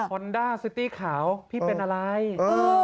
อนด้าซิตี้ขาวพี่เป็นอะไร